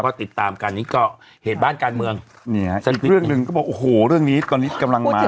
ก็ติดตามกันนี้ก็เหตุบ้านการเมืองนี่ฮะอีกเรื่องหนึ่งก็บอกโอ้โหเรื่องนี้ตอนนี้กำลังมา